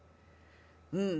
うん。